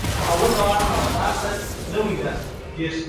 د غوږ د پاکوالي لپاره د هایدروجن پر اکسایډ وکاروئ